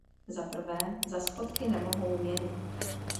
Zaprvé, za schodky nemohou měny.